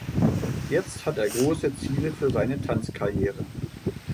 Jetzt hat er große Ziele für seine Tanzkarriere.